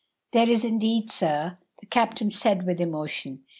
"There is indeed, sir!" the captain said with emotion.